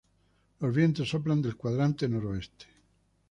Los vientos soplan del cuadrante noroeste.